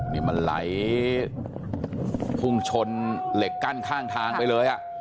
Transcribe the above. นี่มันไหลพุ่งชนเหล็กกั้นข้างทางไปเลย